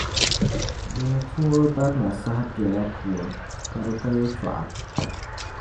di ni tum o barina saha biɛla puuni ka di ka yɛtɔɣa.